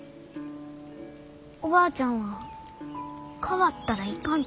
おばあちゃんは変わったらいかんと言いゆう。